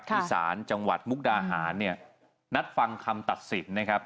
ที่ศาลจังหวัดมุกดาหารเนี่ยนัดฟังคำตัดสินนะครับ